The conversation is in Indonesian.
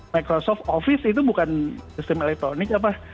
microsoft office itu bukan sistem elektronik apa